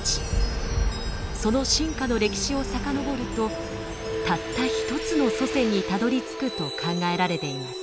その進化の歴史を遡るとたった一つの祖先にたどりつくと考えられています。